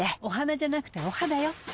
お花じゃなくてお肌よ。